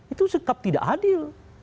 itu sikap tidak adil